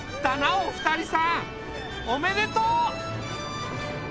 おめでとう！